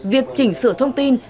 việc chỉnh sửa thông tin